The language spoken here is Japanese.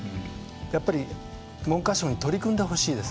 やっぱり、文科省に取り組んでほしいです。